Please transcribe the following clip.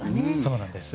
そうなんです。